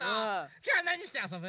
きょうはなにしてあそぶ？